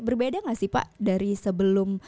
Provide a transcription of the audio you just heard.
berbeda nggak sih pak dari sebelum